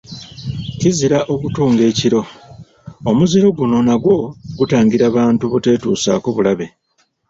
Kizira okutunga ekiro, Omuzizo guno nagwo gutangira bantu buteetuusaako bulabe.